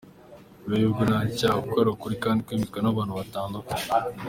Kuri we, ibi ntabwo ari icyaha kuko ari ukuri kandi kwemezwa n'abantu batandukanye.